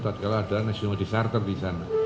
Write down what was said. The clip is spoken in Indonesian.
saat saat ada nasional disarter di sana